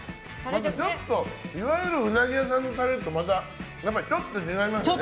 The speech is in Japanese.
いわゆるうなぎ屋さんのタレとはまたちょっと違いますね。